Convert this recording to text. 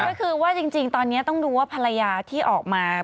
ก็คือว่าจริงตอนนี้ต้องดูว่าภรรยาที่ออกมา